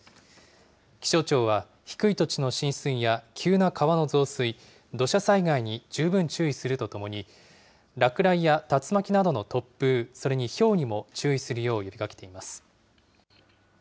気象庁は、低い土地の浸水や急な川の増水、土砂災害に十分注意するとともに、落雷や竜巻などの突風、それにひょうにも注意するよう呼びかけています。